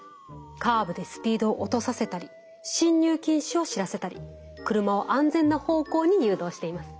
カーブでスピードを落とさせたり進入禁止を知らせたり車を安全な方向に誘導しています。